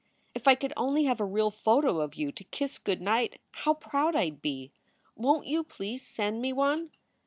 If I could only have a real photo of you to kiss good night how proud I d be. Won t you please send me one?